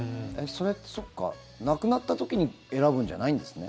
それって、そっか亡くなった時に選ぶんじゃないんですね。